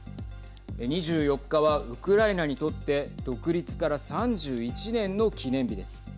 ２４日は、ウクライナにとって独立から３１年の記念日です。